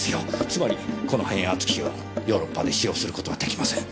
つまりこの変圧器をヨーロッパで使用する事はできません。